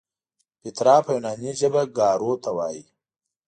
پیترا په یوناني ژبه ګارو ته وایي.